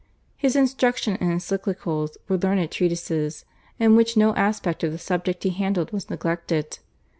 His instructions and encyclicals were learned treatises, in which no aspect of the subject he handled was neglected.